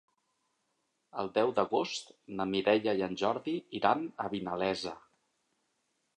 El deu d'agost na Mireia i en Jordi iran a Vinalesa.